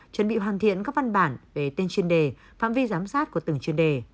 chuẩn bị hoàn thiện các văn bản về tên chuyên đề phạm vi giám sát của từng chuyên đề